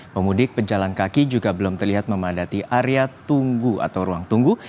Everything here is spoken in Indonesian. pemudik pejalan kaki juga belum terlihat memadati area tunggu atau ruang tunggu